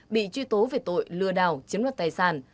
bị truy tố về tội lừa đảo chiếm đoạt tài sản